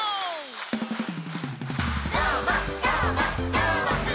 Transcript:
「どーもどーもどーもくん！」